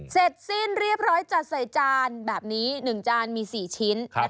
เสร็จสิ้นเรียบร้อยจัดใส่จานแบบนี้๑จานมี๔ชิ้น